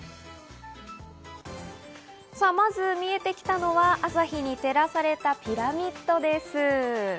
まず見えてきたのは朝日に照らされたピラミッドです。